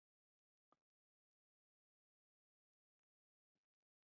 布里德灵顿小修道院也是英国规模较大的教区教堂之一。